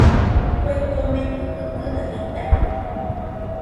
Kue komekɨ jɨgɨna jitaide.